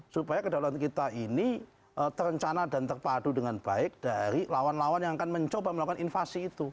supaya kedaulatan kita ini terencana dan terpadu dengan baik dari lawan lawan yang akan mencoba melakukan invasi itu